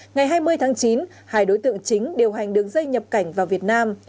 ngày hai mươi tháng chín hai đối tượng chính điều hành đường dây nhập cảnh vào việt nam